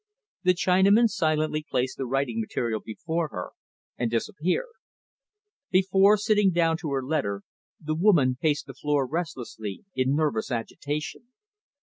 The Chinaman silently placed the writing material before her, and disappeared. Before sitting down to her letter, the woman paced the floor restlessly, in nervous agitation.